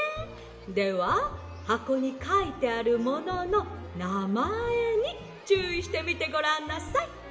でははこにかいてあるものの『なまえ』にちゅういしてみてごらんなさい」。